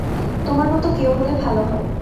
তোমার মত কেউ হলে ভাল হয়।